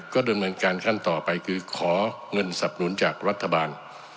ก็ดำเนินการขั้นต่อไปคือขอเงินสับหนุนจากรัฐบาล